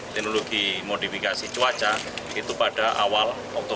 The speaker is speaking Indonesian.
kepala bmkg wilayah provinsi riau berkata